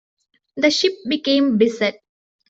The ship became beset.